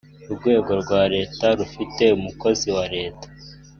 urwego rwa leta rufite umukozi wa leta